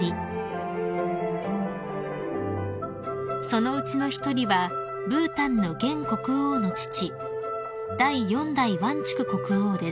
［そのうちの１人はブータンの現国王の父第四代ワンチュク国王です］